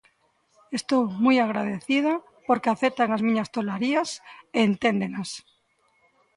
Estou moi agradecida porque aceptan as miñas tolarías e enténdenas.